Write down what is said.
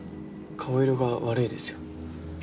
顔色が悪いですよ。